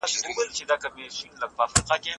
ما تېره شپه یو پخوانی داستان ولوست.